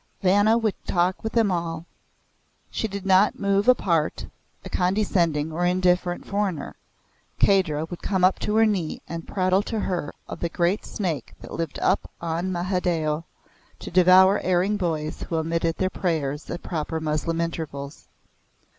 Vanna could talk with them all. She did not move apart, a condescending or indifferent foreigner. Kahdra would come to her knee and prattle to her of the great snake that lived up on Mahadeo to devour erring boys who omitted their prayers at proper Moslem intervals.